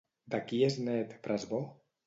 De qui és net Presbó?